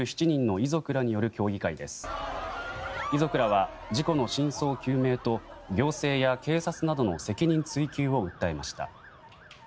遺族らは事故の真相究明と行政や警察などの責任追及を訴えました。